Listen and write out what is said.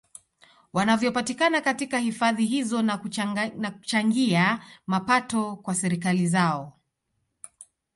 Vinavyopatikana katika hifadhi hizo na kuchangia mapato kwa serikali zao